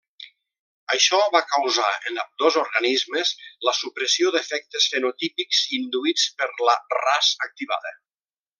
Això va causar, en ambdós organismes, la supressió d’efectes fenotípics induïts per la Ras activada.